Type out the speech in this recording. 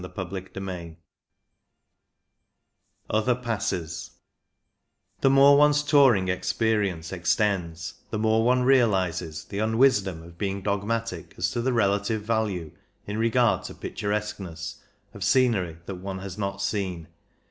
CHAPTER XIV OTHER PASSES The more one's touring experience ex tends, the more one realizes the unwisdom of being dogmatic as to the relative value, in regard to picturesqueness, of scenery that one has not seen.